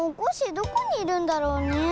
どこにいるんだろうね？